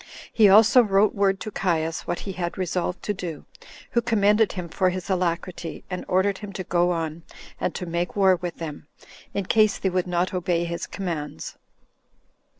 He also wrote word to Caius what he had resolved to do, who commended him for his alacrity, and ordered him to go on, and to make war with them, in case they would not obey his commands.